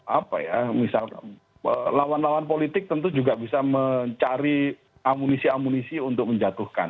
apa ya misalkan lawan lawan politik tentu juga bisa mencari amunisi amunisi untuk menjatuhkan